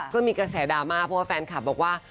ก็มีกระแสดราม่าเพราะว่าแฟนคลับบอกว่า